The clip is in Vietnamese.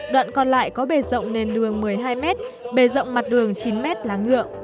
đoạn còn lại có bể rộng nền đường một mươi hai m bể rộng mặt đường chín m láng nhựa